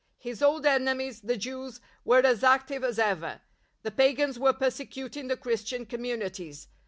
His old enemies, the Jews, were as active as ever; the pagans were persecuting the Christian communities.